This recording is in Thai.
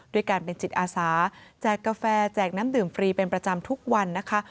ด้วยการเป็นจิตอาสาแจกกาแฟแจกน้ำดื่มฟรีเป็นประจำทุกวันนะคะ